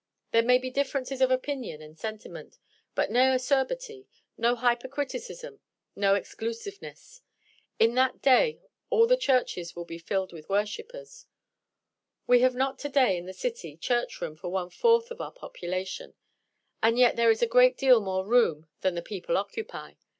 There may be differences of opinion and sentiment, but no acerbity, no hypercriticism, and no exclusiveness. In that day all the churches will be filled with worshippers. We have not to day, in the cities, church room for one fourth of our population; and yet there is a great deal more room than the people occupy.